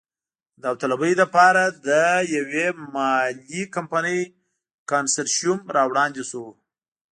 د داوطلبۍ لپاره د یوې مالي کمپنۍ کنسرشیوم را وړاندې شو.